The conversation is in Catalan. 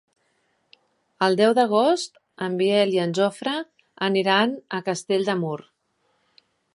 El deu d'agost en Biel i en Jofre aniran a Castell de Mur.